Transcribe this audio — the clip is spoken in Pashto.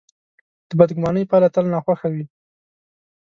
د بدګمانۍ پایله تل ناخوښه وي.